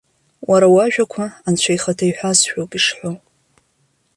Уара уажәақәа анцәа ихаҭа иҳәазшәоуп ишҳәоу.